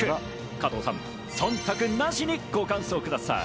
加藤さん、忖度なしにご感想ください。